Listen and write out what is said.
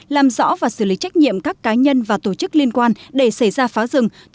làm rõ và xử lý trách nhiệm các cá nhân và tổ chức liên quan để xảy ra phá rừng